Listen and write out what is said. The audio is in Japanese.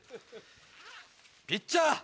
ピッチャー